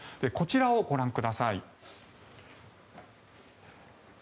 こちらをご覧ください。